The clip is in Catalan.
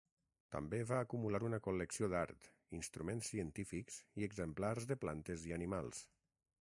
També va acumular una col·lecció d'art, instruments científics i exemplars de plantes i animals.